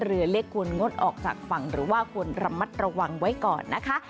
เรือเล็กควรงดออกจากฝั่งหรือว่าควรระมัดระวังไว้ก่อนนะคะ